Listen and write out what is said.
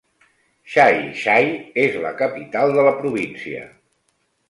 Xai-Xai és la capital de la província.